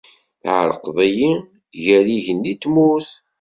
tɛellqeḍ-iyi gar yigenni d tmurt.